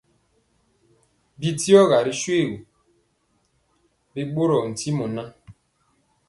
Bidiɔga ri shoégu, bi ɓorɔɔ ntimɔ ŋan.